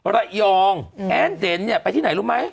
ระยองแอ้นเดนเนี่ยไปที่ไหนรู้ไหม